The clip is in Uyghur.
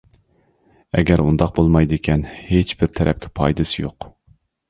ئەگەر ئۇنداق بولمايدىكەن، ھېچبىر تەرەپكە پايدىسى يوق.